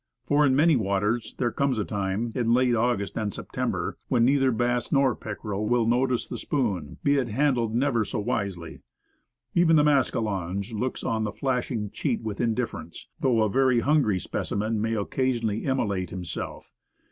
For in many waters there 5 8 Woodcraft. comes a time in late August and September when neither bass nor pickerel will notice the spoon, be it handled never so wisely. Even the mascalonge looks on the flashing cheat with indifference; though a very hungry specimen may occasionally immolate himself.